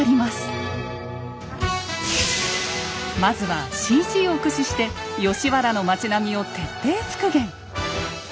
まずはＣＧを駆使して吉原の町並みを徹底復元！